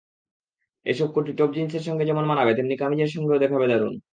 এসব কোটি টপ-জিন্সের সঙ্গে যেমন মানাবে, তেমনি কামিজের সঙ্গেও দেখাবে দারুণ।